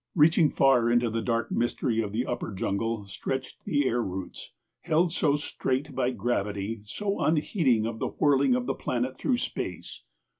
Reaching far into the dark mystery of the upper jungle stretched the air roots, held so straight by gravity, so unheeding of the whirling of the planet through space.